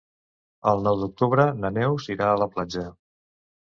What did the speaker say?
El nou d'octubre na Neus irà a la platja.